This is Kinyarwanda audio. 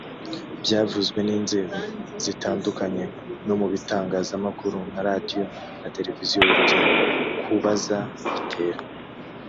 byavuzwe n’inzego zitandukanye no mu bitangazamakuru nka radiyo na televiziyo urugero kubaza bitera